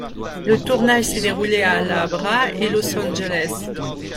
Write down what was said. Le tournage s'est déroulé à La Habra et Los Angeles.